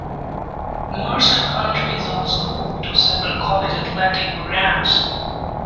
Mercer County is also home to several college athletic programs.